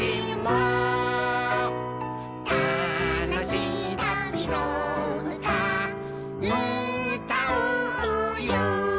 「たのしいたびのうたうたおうよ」